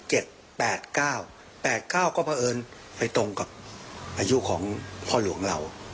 ๘๙๙ก็แนะเอิญไปตรงกับอายุของพ่อหลวงนะครับ